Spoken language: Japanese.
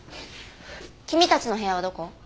君たちの部屋はどこ？